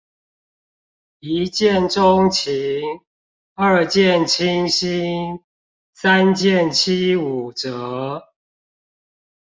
一見鐘情，二見傾心，三件七五折